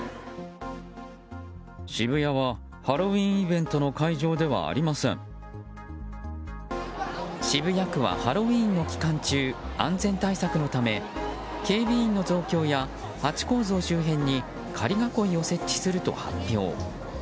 「渋谷はハロウィーンイベントの渋谷区はハロウィーンの期間中安全対策のため、警備員の増強やハチ公像周辺に仮囲いを設置すると発表。